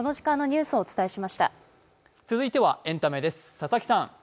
続いてはエンタメです。